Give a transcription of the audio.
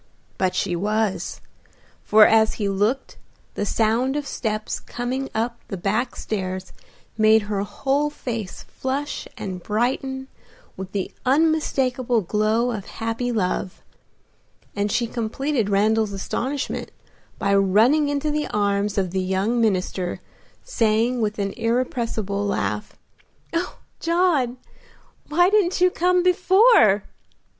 But she was, for as he looked the sound of steps coming up the back stairs made her whole face flush and brighten with the unmistakable glow of happy love, and she completed Randal's astonishment by running into the arms of the young minister, saying with an irrepressible laugh, "Oh, John, why didn't you come before?"